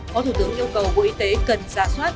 phó thủ tướng nhu cầu bộ y tế cần giả soát